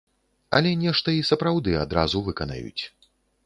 Але нешта і сапраўды адразу выканаюць.